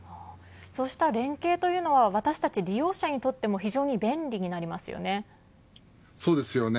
そうした連携というのは私たち利用者にとってもそうですよね。